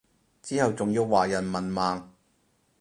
之後仲要話人文盲